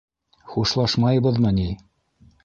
Хушлашмайбыҙмы ни?!